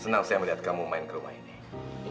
senang saya melihat kamu main ke rumah ini